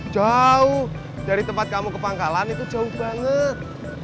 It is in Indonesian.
jauh dari tempat kamu ke pangkalan itu jauh banget